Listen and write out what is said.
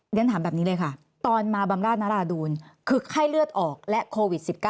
เรียนถามแบบนี้เลยค่ะตอนมาบำราชนราดูลคือไข้เลือดออกและโควิด๑๙